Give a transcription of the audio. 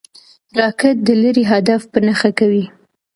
راکټ د لرې هدف په نښه کوي